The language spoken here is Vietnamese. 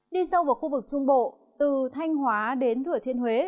đi sâu vào khu vực trung bộ từ thanh hóa đến thừa thiên huế